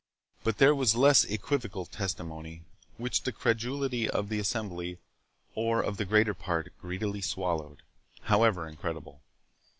But there was less equivocal testimony, which the credulity of the assembly, or of the greater part, greedily swallowed, however incredible.